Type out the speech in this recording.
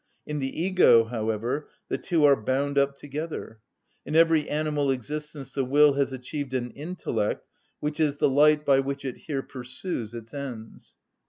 In the ego, however, the two are bound up together. In every animal existence the will has achieved an intellect which is the light by which it here pursues its ends.